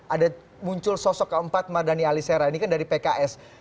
ada muncul sosok keempat mardhani alisera ini kan dari pks